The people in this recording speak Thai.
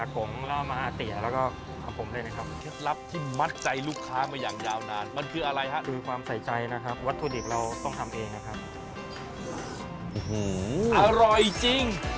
โปรดติดตามตอนต่อไป